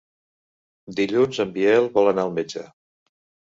Dilluns en Biel vol anar al metge.